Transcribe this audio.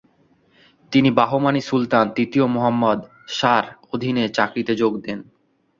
তিনি বাহমানি সুলতান তৃতীয় মুহাম্মদ শাহর অধীনে চাকরিতে যোগ দেন।